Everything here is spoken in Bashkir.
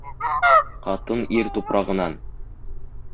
Ҡатын ир тупрағынан